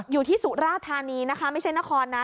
อยู่ที่สุราธานีนะคะไม่ใช่นครนะ